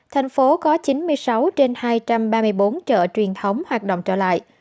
thành phố có chín mươi sáu trên hai trăm ba mươi bốn chợ truyền thống hoạt động trở lại